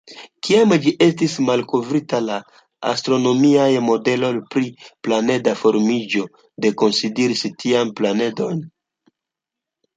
Kiam ĝi estis malkovrita, la astronomiaj modeloj pri planeda formiĝo ne konsideris tiajn planedojn.